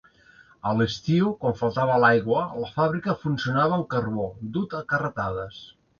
A l'estiu, quan faltava l'aigua, la fàbrica funcionava amb carbó, dut a carretades.